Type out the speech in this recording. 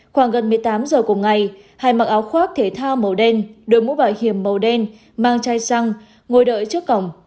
khoảng gần một mươi tám giờ cùng ngày hai mặc áo khoác thể thao màu đen đôi mũ bảo hiểm màu đen mang chai xăng ngồi đợi trước cổng